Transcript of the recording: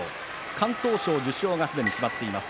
敢闘賞受賞がすでに決まっています。